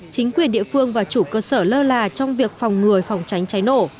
chính quyền địa phương và chủ cơ sở lơ là trong việc phòng người phòng cháy cháy nổ